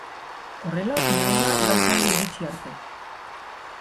Horrela finalera lau talde iritsi arte.